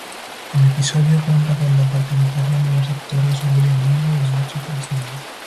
El episodio cuenta con la participación de los actores William Miller y Nacho Fresneda.